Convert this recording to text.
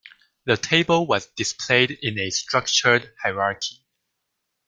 The table was displayed in a structured hierarchy.